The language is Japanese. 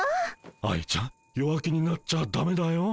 愛ちゃん弱気になっちゃダメだよ。